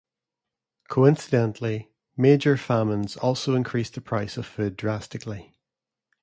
Coincidentally, major famines also increased the price of food drastically.